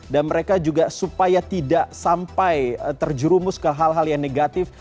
dan mereka juga supaya tidak sampai terjerumus ke hal hal yang negatif